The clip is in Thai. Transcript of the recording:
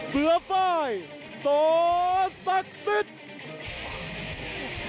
เสือไฟสตรศักดิ์ศิษย์